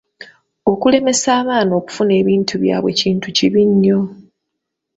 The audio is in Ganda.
Okulemesa abaana okufuna ebintu byabwe kintu kibi nnyo.